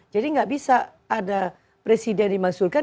jadi enggak bisa ada presiden dimakzulkan